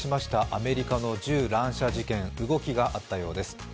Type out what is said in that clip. アメリカの銃乱射事件、動きがあったようです。